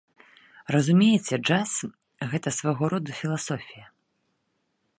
Разумееце, джаз, гэта свайго роду філасофія!